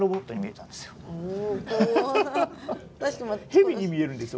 ヘビに見えるんですよ。